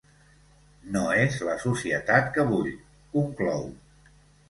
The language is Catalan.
No és la societat que vull, conclou.